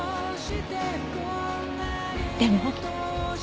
でも。